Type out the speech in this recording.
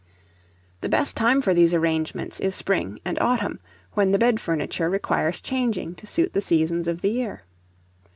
The best time for these arrangements is spring and autumn, when the bed furniture requires changing to suit the seasons of the year.